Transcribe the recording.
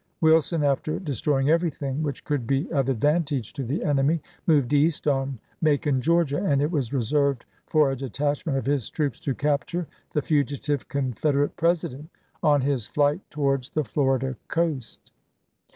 Wilson, after de stroying everything which could be of advantage to the enemy, moved east on Macon, Georgia, and it was reserved for a detachment of his troops to capture the fugitive Confederate President on his flight towards the Florida coast.